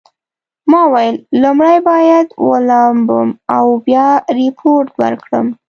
ما وویل لومړی باید ولامبم او بیا ریپورټ ورکړم.